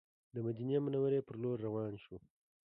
د مدینې منورې پر لور روان شوو.